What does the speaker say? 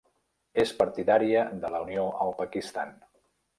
És partidària de la unió al Pakistan.